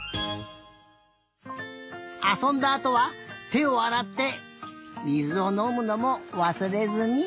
あそんだあとはてをあらってみずをのむのもわすれずに。